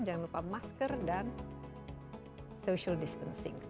jangan lupa masker dan social distancing